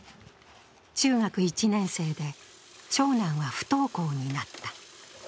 中学１年生で長男は不登校になった。